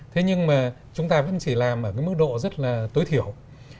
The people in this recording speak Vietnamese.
thế nhưng mà chúng ta vẫn chỉ làm ở cái mức độ rất là tối thiểu